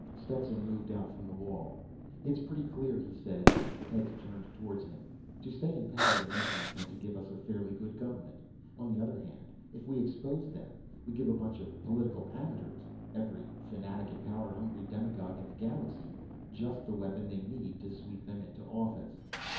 Stetson moved out from the wall. "It's pretty clear," he said. Heads turned toward him. "To stay in power, the Nathians had to give us a fairly good government. On the other hand, if we expose them, we give a bunch of political amateurs every fanatic and power hungry demagogue in the galaxy just the weapon they need to sweep them into office."